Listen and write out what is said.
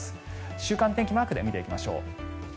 週間天気マークで見ていきましょう。